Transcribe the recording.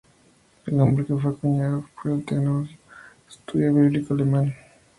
El nombre Q fue acuñado por el teólogo y estudioso bíblico alemán Johannes Weiss.